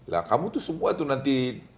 lah kamu tuh semua tuh nanti